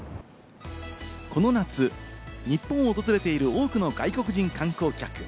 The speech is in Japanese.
この夏、日本を訪れている多くの外国人観光客。